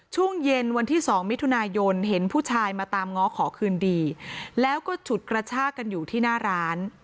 ช่วงเย็นวันที่๒มิถุนายนเห็นผู้ชายมาตามง้อขอคืนดีแล้วก็ฉุดกระชากันอยู่ที่หน้าร้าน